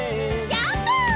ジャンプ！